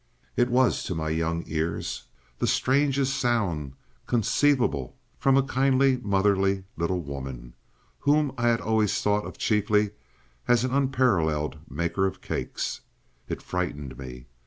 It was to my young ears the strangest sound conceivable from a kindly motherly little woman, whom I had always thought of chiefly as an unparalleled maker of cakes. It frightened me.